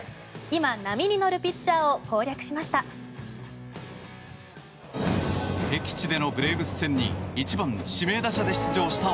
今、波に乗るピッチャーを攻略しました。